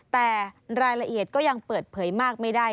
แต่รายละเอียดก็ยังเปิดเผยมากไม่ได้